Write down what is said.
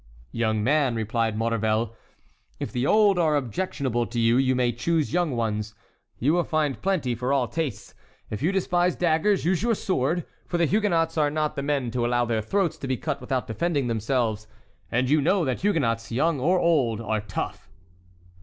"Young man," replied Maurevel, "if the old are objectionable to you, you may choose young ones—you will find plenty for all tastes. If you despise daggers, use your sword, for the Huguenots are not the men to allow their throats to be cut without defending themselves, and you know that Huguenots, young or old, are tough."